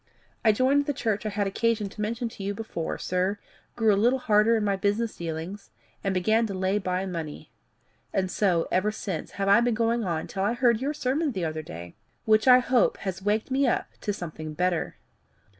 I joined the church I had occasion to mention to you before, sir, grew a little harder in my business dealings, and began to lay by money. And so, ever since, have I been going on till I heard your sermon the other day, which I hope has waked me up to something better.